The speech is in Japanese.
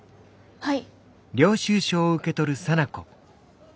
はい。